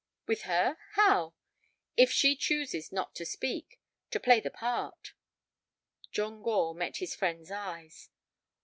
"With her—how?" "If she chooses not to speak, to play a part." John Gore met his friend's eyes.